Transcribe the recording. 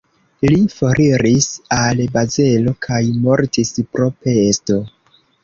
Li foriris al Bazelo kaj mortis pro pesto.